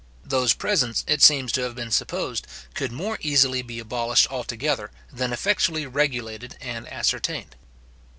Those presents, it seems to have been supposed, could more easily be abolished altogether, than effectually regulated and ascertained.